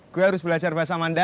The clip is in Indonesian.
gue harus belajar bahasa manda